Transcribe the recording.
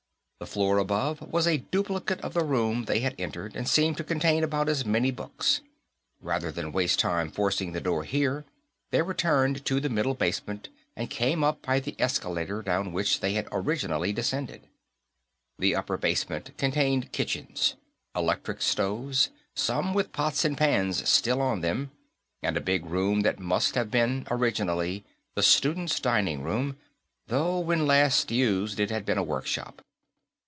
The floor above was a duplicate of the room they had entered, and seemed to contain about as many books. Rather than waste time forcing the door here, they returned to the middle basement and came up by the escalator down which they had originally descended. The upper basement contained kitchens electric stoves, some with pots and pans still on them and a big room that must have been, originally, the students' dining room, though when last used it had been a workshop.